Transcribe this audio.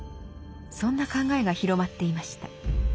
そんな考えが広まっていました。